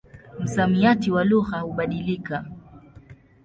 Msamiati wa lugha hubadilika.